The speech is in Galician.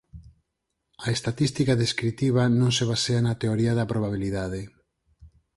A estatística descritiva non se basea na teoría da probabilidade.